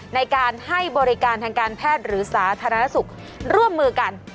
ในการให้บริการทางการแพทย์หรือสาธารณสุขร่วมมือกัน